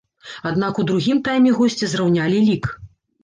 Аднак у другім тайме госці зраўнялі лік.